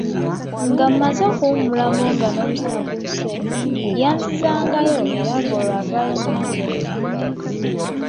Ng’amaze okuwummulamu nga n’omusana gusse, yazizzangayo era ng’olwo avaayo ng’enjuba egudde.